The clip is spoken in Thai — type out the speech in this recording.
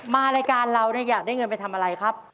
มารายการเราอยากได้เงินไปทำอะไรครับ